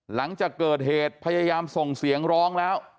หลังจากเกิดเหตุพยายามส่งเสียงร้องแล้ว